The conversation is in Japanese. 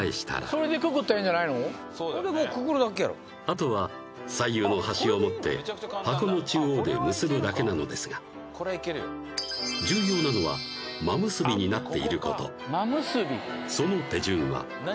ほんでくくるだけやろあとは左右の端を持って箱の中央で結ぶだけなのですが重要なのは真結びになっていることその手順は何？